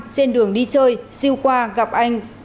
trên đường đi chơi sưu qua gặp anh